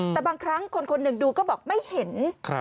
แต่บางครั้งคนหนึ่งดูก็บอกไม่เห็น